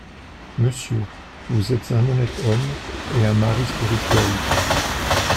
Monsieur, vous êtes un honnête homme et un mari spirituel.